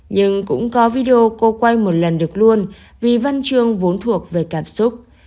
nhưng cũng có video cô quay một lần được luôn vì văn chương vốn thuộc về cảm xúc